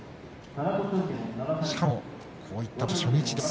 しかもこういった場所の初日です。